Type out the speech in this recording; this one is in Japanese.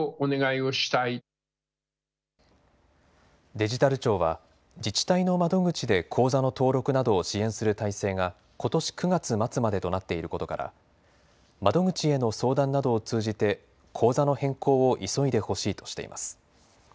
デジタル庁は自治体の窓口で口座の登録などを支援する体制がことし９月末までとなっていることから窓口への相談などを通じて口座の変更を急いでほしいとしています。